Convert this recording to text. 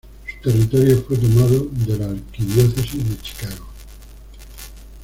Su territorio fue tomado de la Arquidiócesis de Chicago.